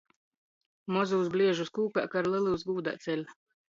Mozūs bliežus kūkā kar, lelūs gūdā ceļ.